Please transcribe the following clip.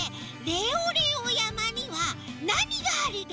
レオレオやまにはなにがあるの？